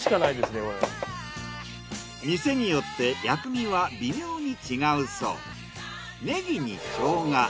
店によって薬味は微妙に違うそう。